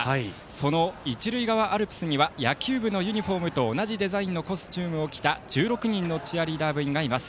その一塁側アルプスには野球部のユニフォームと同じコスチュームを着た１６人のチアリーダー部員がいます。